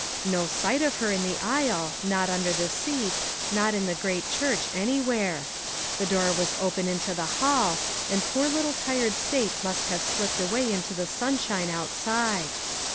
No sight of her in the aisle, not under the seat, not in the great church anywhere. The door was open into the hall, and poor little tired Sate must have slipped away into the sunshine outside.